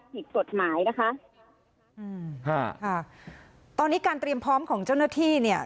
ผิดกฎหมายนะคะอืมฮะค่ะตอนนี้การเตรียมพร้อมของเจ้าหน้าที่เนี่ย